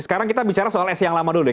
sekarang kita bicara soal s yang lama dulu deh